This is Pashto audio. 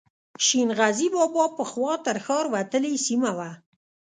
شین غزي بابا پخوا تر ښار وتلې سیمه وه.